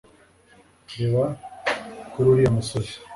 reba kuri uriya musozi